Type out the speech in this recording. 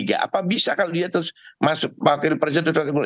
apa bisa kalau dia terus masuk pakil perja tuduh tertemul